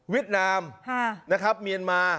เวียดนามมียอนมาย์